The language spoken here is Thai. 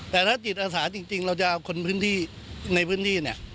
แต่ถ้าจิตอาสาจริงเราจะเอาคนพื้นที่ในพื้นที่เนี่ย